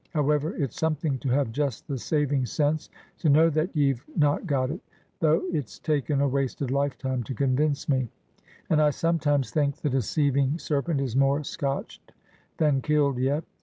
However, it's something to have just the saving sense to know that ye've not got it, though it's taken a wasted lifetime to convince me, and I sometimes think the deceiving serpent is more scotched than killed yet.